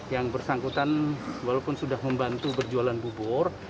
yang bersangkutan walaupun sudah membantu berjualan bubur